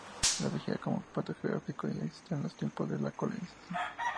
El Vigía como punto geográfico, ya existía en los tiempos de la colonización.